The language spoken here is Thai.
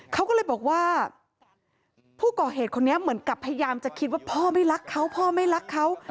เขาก็เลยบอกว่าผู้ก่อเหตุคนนี้เหมือนกับพยายามจะคิดว่าพ่อไม่รักเขาพ่อไม่รักเขา